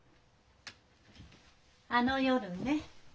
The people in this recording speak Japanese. あの夜ね